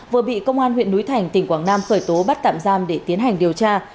vừa bị công an huyện núi thành tỉnh quảng nam khởi tố bắt tạm giam để tiến hành điều tra